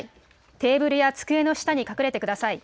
テーブルや机の下に隠れてください。